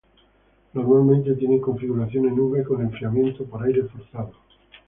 Normalmente tienen configuración en V con enfriamiento por aire forzado.